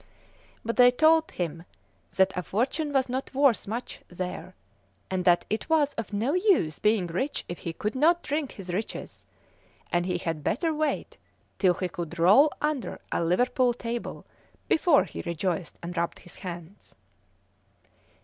But they told him that a fortune was not worth much there, and that it was of no use being rich if he could not drink his riches, and he had better wait till he could roll under a Liverpool table before he rejoiced and rubbed his hands.